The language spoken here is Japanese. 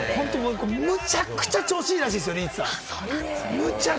むちゃくちゃ調子いいらしいですよ、リーチさん。